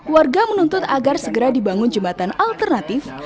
warga menuntut agar segera dibangun jembatan alternatif